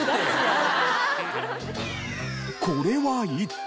これは一体。